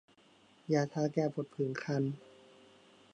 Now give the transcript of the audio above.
ยาทาแก้ผดผื่นคัน